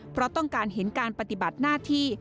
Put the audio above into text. เพราะต้องการเห็นการปฏิบัติหน้าที่